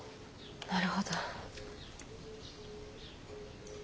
なるほど。